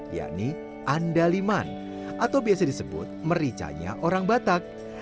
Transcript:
yakni andaliman atau biasa disebut mericanya orang batak